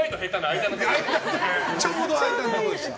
ちょうど間のところでした。